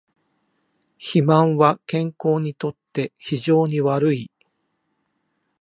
肥満は健康にとって非常に悪い